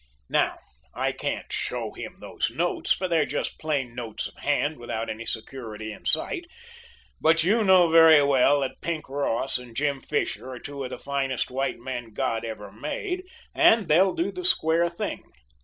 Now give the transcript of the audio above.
Now, I can't show him those notes, for they're just plain notes of hand without any security in sight, but you know very well that Pink Ross and Jim Fisher are two of the finest white men God ever made, and they'll do the square thing.